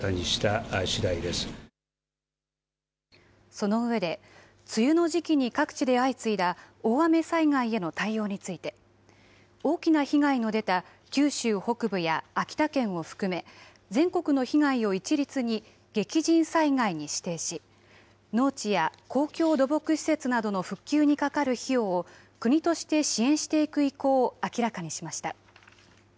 その上で梅雨の時期に各地で相次いだ大雨災害への対応について大きな被害の出た九州北部や秋田県を含め全国の被害を一律に激甚災害に指定し農地や公共土木施設などの復旧にかかる費用を国として支援していく意向を明らかにしました。